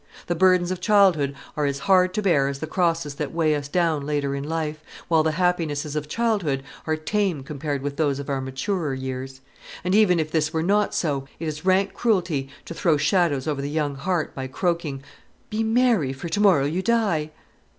The burdens of childhood are as hard to bear as the crosses that weigh us down later in life, while the happinesses of childhood are tame compared with those of our maturer years. And even if this were not so, it is rank cruelty to throw shadows over the young heart by croaking, "Be merry, for to morrow you die!"